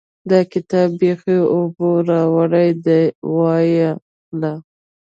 دا کتاب بېخي اوبو راوړی دی؛ وايې خله.